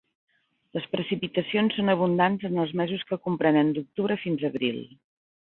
Les precipitacions són abundants en els mesos que comprenen d'octubre fins a abril.